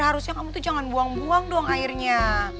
harusnya kamu tuh jangan buang buang doang airnya